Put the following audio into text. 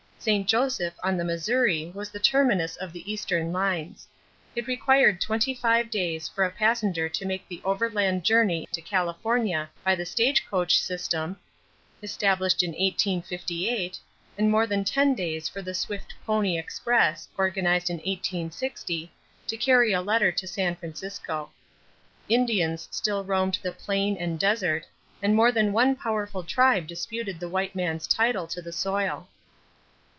St. Joseph on the Missouri was the terminus of the Eastern lines. It required twenty five days for a passenger to make the overland journey to California by the stagecoach system, established in 1858, and more than ten days for the swift pony express, organized in 1860, to carry a letter to San Francisco. Indians still roamed the plain and desert and more than one powerful tribe disputed the white man's title to the soil.